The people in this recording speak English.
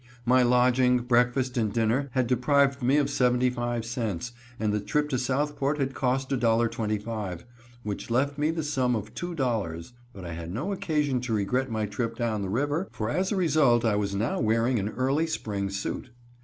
My lodging, breakfast and dinner had deprived me of seventy five cents, and the trip to Southport had cost $1.25, which left me the sum of $2.00, but I had no occasion to regret my trip down the river, for as a result I was now wearing an early spring suit.